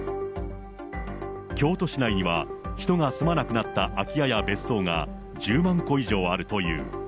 京都市内には、人が住まなくなった空き家や別荘が１０万戸以上あるという。